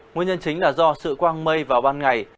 nguyên nhân chính là do sự quang mây vào ban ngày